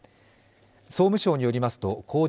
総務省によりますと公示